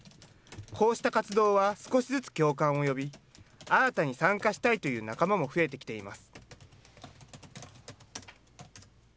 こうした活動は少しずつ共感を呼び、新たに参加したいという仲間も増えてきています。